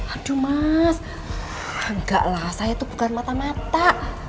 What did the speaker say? aduh mas enggak lah saya itu bukan mata mata